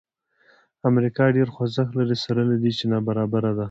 امریکا ډېر خوځښت لري سره له دې چې نابرابره ده.